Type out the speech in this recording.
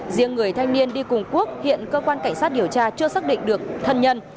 riêng người thanh niên đi cùng quốc hiện cơ quan cảnh sát điều tra chưa xác định được thân nhân